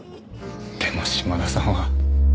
でも島田さんは。